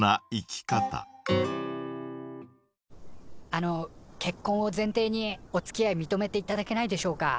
あの結婚を前提におつきあい認めていただけないでしょうか？